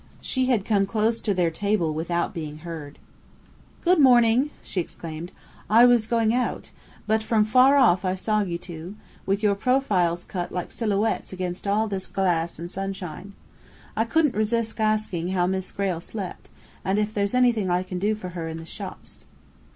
She had come close to their table without being heard. "Good morning!" she exclaimed. "I was going out, but from far off I saw you two, with your profiles cut like silhouettes against all this glass and sunshine. I couldn't resist asking how Miss Grayle slept, and if there's anything I can do for her in the shops?"